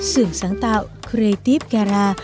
sưởng sáng tạo creative dara